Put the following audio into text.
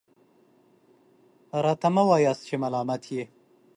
راته مه وایاست چې ملامت یې .